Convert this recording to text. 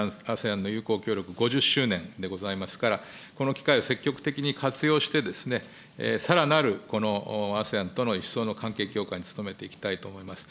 ＡＳＥＡＮ友好協力５０周年でございますから、この機会を積極的に活用して、さらなるＡＳＥＡＮとの一層の関係強化に努めていきたいと思います。